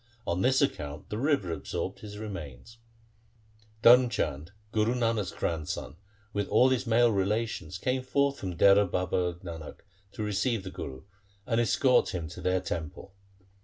On this account the river absorbed his remains.' Dharm Chand, Guru Nanak's grandson, with all his male relations came forth from Dehra Baba Nanak to receive the Guru and escort him to their temple.